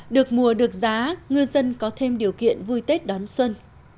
được mùa được giá ngư dân có thêm điều kiện vui tết đón xuân